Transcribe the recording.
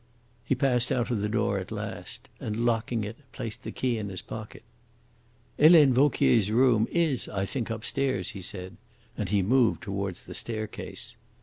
He passed out of the door last, and, locking it, placed the key in his pocket. "Helene Vauquier's room is, I think, upstairs," he said. And he moved towards the staircase.